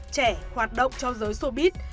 trẻ hoạt động cho giới showbiz